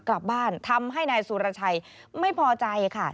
กลับบ้านทำให้นายสูรชัยไม่พอใจค่ะ